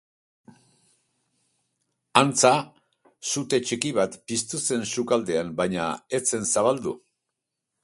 Antza, sute txiki bat piztu zen sukaldean, baina ez zen zabaldu.